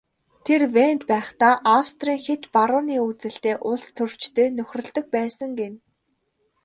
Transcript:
Тэр Венад байхдаа Австрийн хэт барууны үзэлтэй улстөрчтэй нөхөрлөдөг байсан гэнэ.